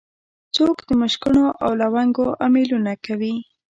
څوک د مشکڼو او لونګو امېلونه کوي